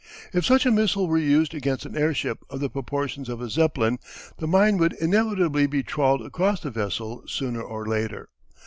If such a missile were used against an airship of the proportions of a Zeppelin the mine would inevitably be trawled across the vessel sooner or later.